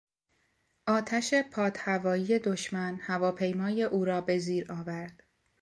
آتش پاد هوایی دشمن هواپیمای او را به زیر آورد.